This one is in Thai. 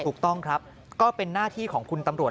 ถูกต้องครับก็เป็นหน้าที่ของคุณตำรวจ